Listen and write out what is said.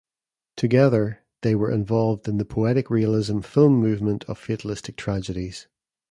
Together, they were involved in the poetic realism film movement of fatalistic tragedies.